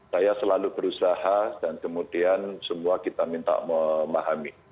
saya selalu berusaha dan kemudian semua kita minta memahami